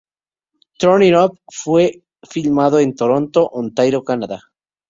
Turn It Up fue filmado en Toronto, Ontario, Canadá.